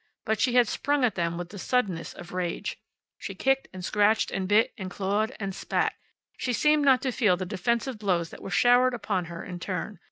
But she had sprung at them with the suddenness of rage. She kicked, and scratched, and bit, and clawed and spat. She seemed not to feel the defensive blows that were showered upon her in turn.